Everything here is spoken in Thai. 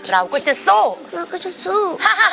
เราก็จะสู้